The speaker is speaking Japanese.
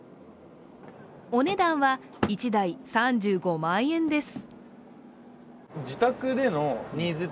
お値段は１台３５万円です。